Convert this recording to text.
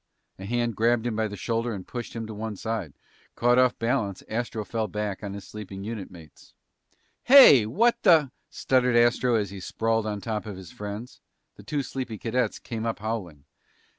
A hand grabbed him by the shoulder and pushed him to one side. Caught off balance, Astro fell back on his sleeping unit mates. "Hey! What th " stuttered Astro as he sprawled on top of his friends. The two sleepy cadets came up howling.